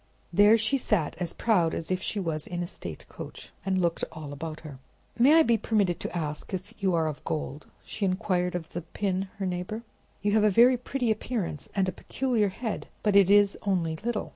There she sat, as proud as if she was in a state coach, and looked all about her. "May I be permitted to ask if you are of gold?" she inquired of the pin, her neighbor. "You have a very pretty appearance, and a peculiar head, but it is only little.